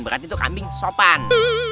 berarti itu kambing sopan